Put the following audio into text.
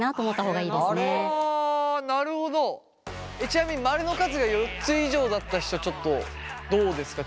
ちなみに○の数が４つ以上だった人ちょっとどうですか。